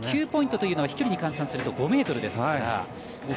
９ポイントというのは飛距離に換算すると５ｍです。